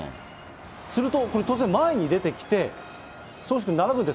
すると、突然、前に出てきて、総書記と並ぶんです。